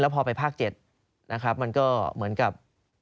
แล้วพอไปภาค๗มันก็เหมือนกับ